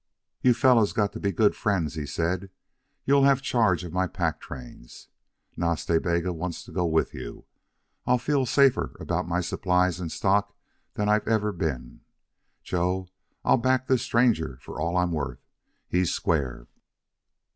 "You fellows got to be good friends," he said. "You'll have charge of my pack trains. Nas Ta Bega wants to go with you. I'll feel safer about my supplies and stock than I've ever been.... Joe, I'll back this stranger for all I'm worth. He's square....